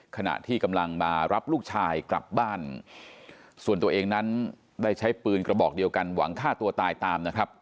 ขณะที่กำลังมารับลูกชายกลับบ้านส่วนตัวเองนั้นได้ใช้ปืนกระบอกเดียวกันหวังฆ่าตัวตายตามนะครับ